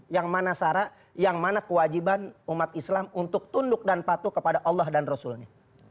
yang mana sarah yang mana kewajiban umat islam untuk tunduk dan patuh kepada allah dan rasulnya